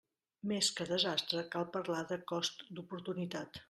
Més que desastre, cal parlar de cost d'oportunitat.